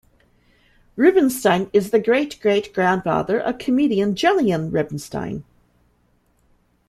Rubinstein is the great great grandfather of comedian Jolyon Rubinstein.